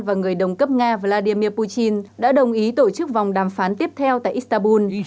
và người đồng cấp nga vladimir putin đã đồng ý tổ chức vòng đàm phán tiếp theo tại istanbul